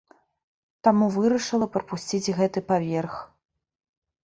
Таму вырашыла прапусціць гэты паверх.